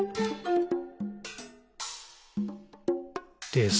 「です。」